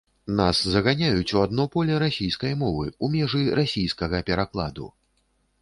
Нас заганяюць у адно поле расійскай мовы, у межы расійскага перакладу.